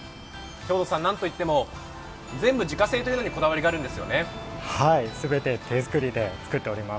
兵藤さん、なんと言っても全部自家製というところにこだわりがあるんですよね。